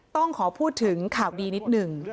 ต้องขอพูดถึงข่าวดีนิดหนึ่ง